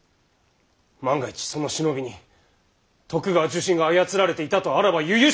万が一その忍びに徳川重臣が操られていたとあらばゆゆしきこと！